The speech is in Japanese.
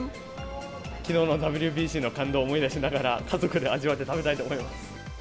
きのうのＷＢＣの感動を思い出しながら、家族で味わって食べたいと思います。